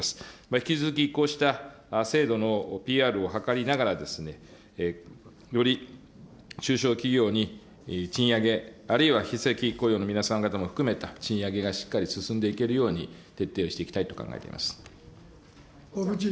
引き続きこうした制度のＰＲを図りながら、より中小企業に賃上げ、あるいは非正規雇用の皆さん方も含めた賃上げがしっかり進んでいけるように徹底をしていきたいと思います。